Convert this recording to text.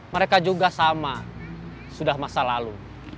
mereka juga sama sudah masa lalu